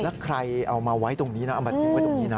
แล้วใครเอามาไว้ตรงนี้นะเอามาทิ้งไว้ตรงนี้นะ